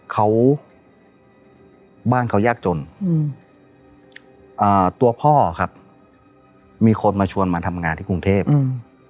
เขาบ้านเขายากจนอืมอ่าตัวพ่อครับมีคนมาชวนมาทำงานที่กรุงเทพอืม